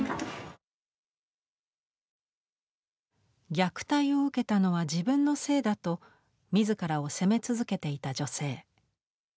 虐待を受けたのは自分のせいだとみずからを責め続けていた女性。